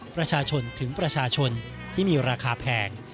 ประชาชนถึงประชาชนที่มีราคาแพง